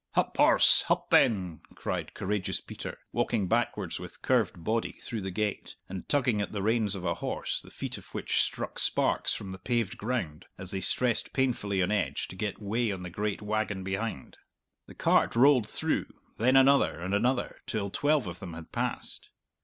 "Hup, horse; hup then!" cried courageous Peter, walking backwards with curved body through the gate, and tugging at the reins of a horse the feet of which struck sparks from the paved ground as they stressed painfully on edge to get weigh on the great wagon behind. The cart rolled through, then another, and another, till twelve of them had passed.